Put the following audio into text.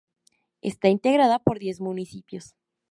Está integrada por diez municipios.